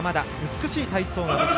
美しい体操が武器。